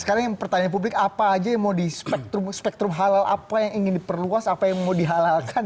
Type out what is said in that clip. sekarang yang pertanyaan publik apa aja yang mau di spektrum halal apa yang ingin diperluas apa yang mau dihalalkan